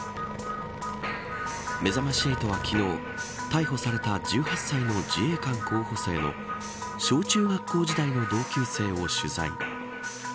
めざまし８は昨日逮捕された１８歳の自衛官候補生の小中学校時代の同級生を取材。